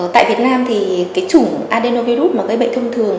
tại việt nam thì cái chủng adenoviru mà gây bệnh thông thường